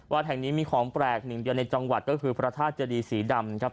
แห่งนี้มีของแปลกหนึ่งเดียวในจังหวัดก็คือพระธาตุเจดีสีดำครับ